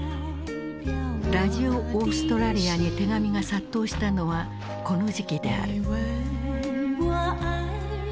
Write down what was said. ラジオ・オーストラリアに手紙が殺到したのはこの時期である。